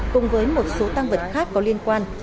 cùng với một số tăng vật khác có liên quan